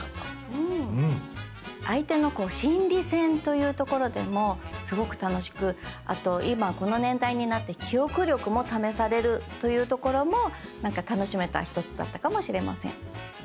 相手の心理戦というところでもすごく楽しくあと今この年代になって記憶力も試されるというところも楽しめた一つだったかもしれません。